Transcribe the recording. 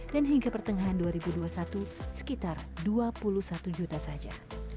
dan hingga pertengahan dua ribu dua puluh satu sekitar dua puluh satu juta saja